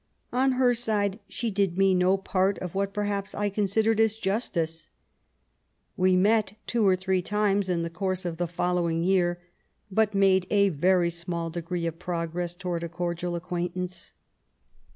On her side she did me no part of what perhaps I considered as justice. We met two or three times in the course of the following year, but made a very small degree of progress towards a cordial ac quaintance.